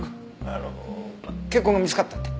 あの血痕が見つかったって？